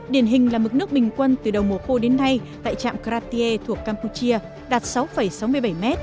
điển hình là mức nước bình quân từ đầu mùa khô đến nay tại trạm kratie thuộc campuchia đạt sáu sáu mươi bảy m